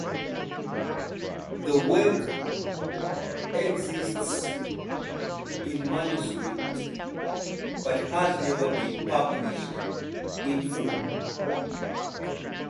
The work exists in manuscript but has never been published in full.